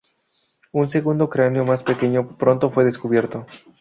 Un segundo cráneo más pequeño pronto fue descubierto.